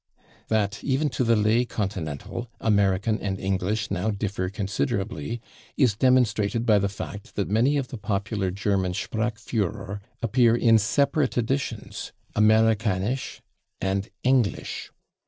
That, even to the lay Continental, American and English now differ considerably, is demonstrated by the fact that many of the popular German /Sprachführer/ appear in separate editions, /Amerikanisch/ and /Englisch